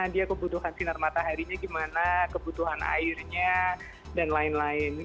dia kebutuhan sinar mataharinya gimana kebutuhan airnya dan lain lain